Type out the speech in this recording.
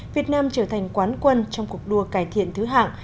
việt nam trở thành quán quân trong cuộc đua cải thiện thứ hạng